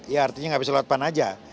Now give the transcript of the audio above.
ya artinya nggak bisa lewat pan aja